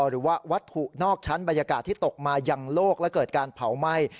หรือว่าวัตถุนอกชั้นบรรยากาศที่ตกมายังโลกและเกิดการเผาไหม้